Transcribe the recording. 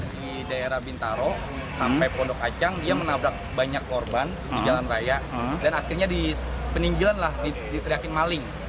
di daerah bintaro sampai pondok acang dia menabrak banyak korban di jalan raya dan akhirnya di peninggilan lah diteriakin maling